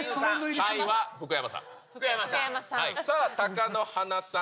３位は福山さん。